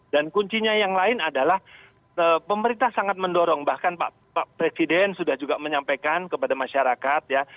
dan kuncinya yang lain adalah pemerintah sangat mendorong bahkan pak presiden sudah juga menyampaikan kepada masyarakat ya